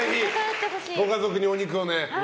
ご家族にお肉をね。